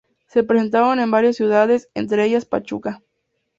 Se presentaron en varias ciudades, entre ellas, Pachuca.